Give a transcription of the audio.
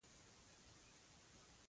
روضته الصفا هم یادونه کوي.